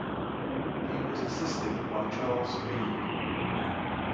He was assisted by Charles B.